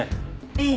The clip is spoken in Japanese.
ええ。